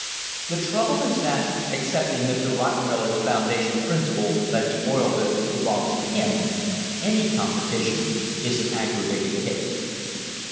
The trouble is that, accepting Mr. Rockefeller's foundation principle that the oil business be longs to him, any competition is "an aggravated case."